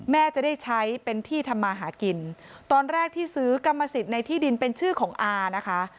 แม่จะได้ใช้เป็นที่ทำมาหากินตอนแรกที่ซื้อกรรมสิทธิ์ในที่ดินเป็นชื่อของอานะคะ